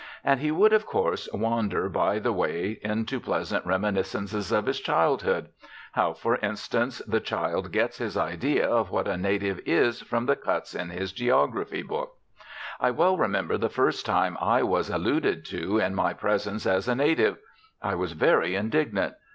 And he would, of course, wander by the way into pleasant reminiscences of his childhood how, for instance, the child gets his idea of what a native is from the cuts in his geography book. I well remember the first time I was alluded to in my presence as a native. I was very indignant.